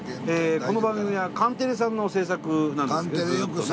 この番組はカンテレさんの制作なんですずっとね。